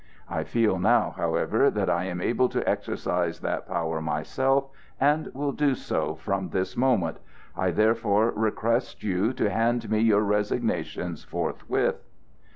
I feel now, however, that I am able to exercise that power myself, and will do so from this moment. I therefore request you to hand me your resignations forthwith."